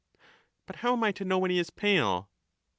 But how am I to know when he is pale?'